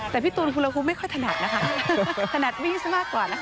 แต่พี่ตูนคุณไม่ค่อยถนัดนะคะถนัดวิ่งซะมากกว่านะคะ